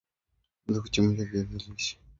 Unaweza Kuchemsha viazi lishe